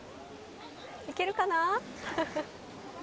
行けるかな。